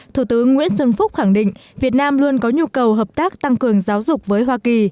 thủ tướng nguyễn xuân phúc khẳng định việt nam luôn có nhu cầu hợp tác tăng cường giáo dục với hoa kỳ